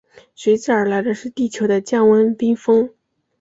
随之而来的是地球的降温冰封。